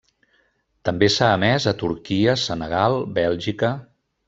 També s’ha emès a Turquia, Senegal, Bèlgica.